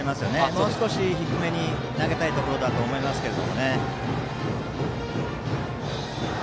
もう少し低めに投げたいところだと思いますよね。